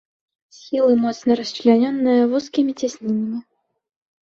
Схілы моцна расчлянёныя вузкімі цяснінамі.